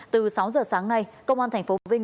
từ sáu giờ sáng nay công an thành phố vinh